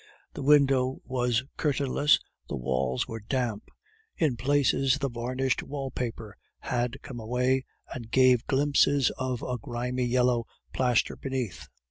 The window was curtainless, the walls were damp, in places the varnished wall paper had come away and gave glimpses of the grimy yellow plaster beneath.